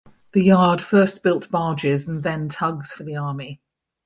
The yard first built barges and then tugs for the Army.